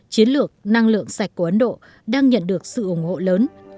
chiến lược năng lượng sạch của ấn độ đang nhận được sự ủng hộ lớn